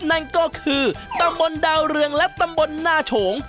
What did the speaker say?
นั่นก็คือตำบลดาวเรืองและตำบลนาโฉง